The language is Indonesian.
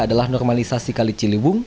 adalah normalisasi kali ciliwung